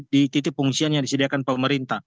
di titik pengungsian yang disediakan pemerintah